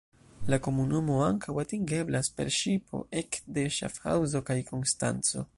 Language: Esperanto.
La komunumo ankaŭ atingeblas per ŝipo ek de Ŝafhaŭzo kaj Konstanco.